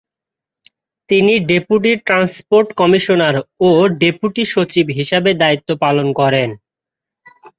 তিনি deputy transport commissioner ও deputy সচিব হিসাবে দায়িত্ব পালন করেন।